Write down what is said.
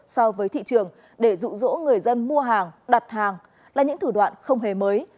so với thị trường để rụ rỗ người dân mua hàng đặt hàng là những thủ đoạn không hề mới